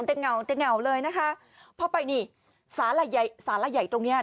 ดังเหงาดังเหงาเลยนะคะเพราะไปนี่สาหร่ายใหญ่สาหร่ายใหญ่ตรงเนี้ย